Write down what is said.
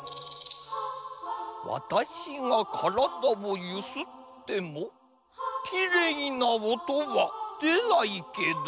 私がからだをゆすってもきれいな音は出ないけど。